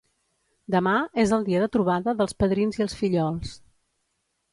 Demà és el dia de trobada dels padrins i els fillols.